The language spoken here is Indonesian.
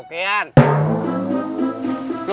lu kagak lihat apa ya